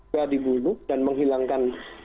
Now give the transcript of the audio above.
juga digunuh dan menghilangkan